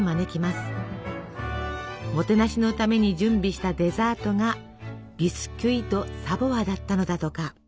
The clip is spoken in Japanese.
もてなしのために準備したデザートがビスキュイ・ド・サヴォワだったのだとか。